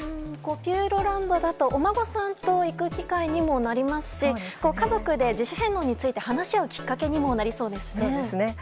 ピューロランドだとお孫さんと行く機会にもなりますし家族で自主返納について話し合うきっかけにもなりそうですね。